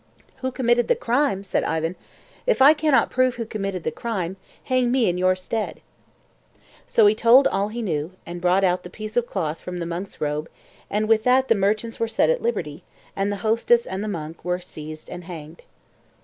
"Who committed the crime!" said Ivan. "If I cannot prove who committed the crime, hang me in your stead." So he told all he knew, and brought out the piece of cloth from the monk's robe, and with that the merchants were set at liberty, and the hostess and the monk were seized and hanged.